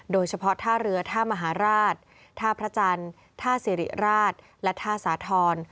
โดยเฉพาะท่าเรือท่ามหาราชท่าพระจันทร์ท่าสิริราชและท่าสาธรณ์